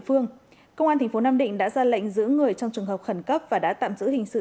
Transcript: lệnh công an tp nam định đã ra lệnh giữ người trong trường hợp khẩn cấp và đã tạm giữ hình sự